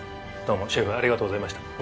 どうもシェフありがとうございました。